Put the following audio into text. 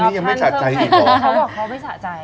อันนี้ยังไม่สะใจอีกหรอเขาบอกว่าเขาไม่สะใจ